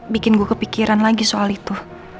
bikin gue kepikiran lagi soal itu